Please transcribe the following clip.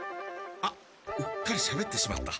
あっうっかりしゃべってしまった。